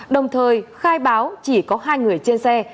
đồng thời khai báo chỉ có hai người trên xe